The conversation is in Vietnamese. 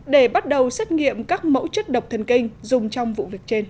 để bắt đầu xét nghiệm các mẫu chiến đấu